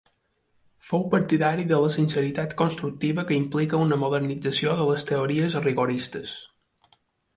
Fou partidari de la sinceritat constructiva que implica una modernització de les teories rigoristes.